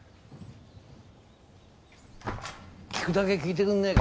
聞くだけ聞いてくれねえか？